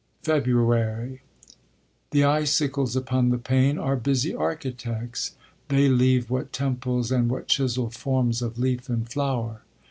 FEBRUARY The icicles upon the pane Are busy architects; they leave What temples and what chiseled forms Of leaf and flower!